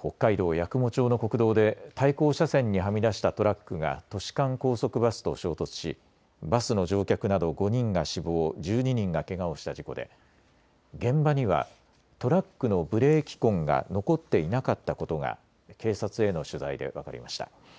北海道八雲町の国道で対向車線にはみ出したトラックが都市間高速バスと衝突しバスの乗客など５人が死亡、１２人がけがをした事故で現場にはトラックのブレーキ痕が残っていなかったことが警察への取材で分かりました。